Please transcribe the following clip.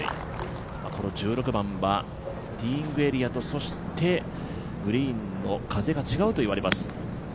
この１６番はティーイングエリアとそしてグリーンの風が違うと言われます。